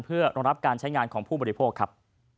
เพื่อรองรับการใช้งานของผู้บริโภคครับ